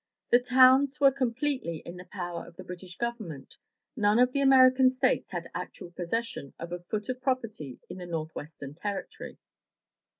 The towns were completely in the power of the British government, none of the American States had actual possession of a foot of property in the Northwestern Territory.